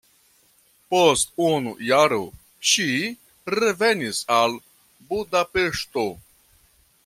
Post unu jaro ŝi revenis al Budapeŝto.